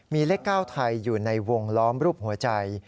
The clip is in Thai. มีเลข๙ไทยอยู่ในวงล้อมรูปหัวใจ